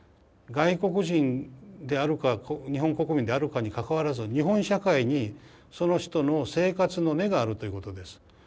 外国人であるか日本国民であるかにかかわらず日本社会にその人の生活の根があるということです。